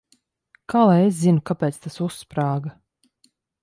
Kā lai es zinu, kāpēc tas uzsprāga?